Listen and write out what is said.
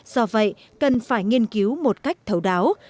do vậy cần phải nghiên cứu một cách thấu đáo